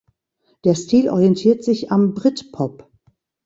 Der Stil orientiert sich am Britpop.